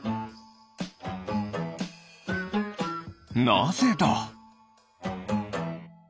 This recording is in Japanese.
なぜだ？